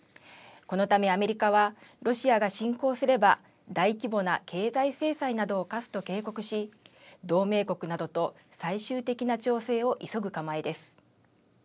このためアメリカは、ロシアが侵攻すれば、大規模な経済制裁などを科すと警告し、同盟国などと最終的な調整を急ぐ構えです。